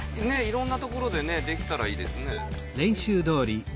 いろんなところでできたらいいですね。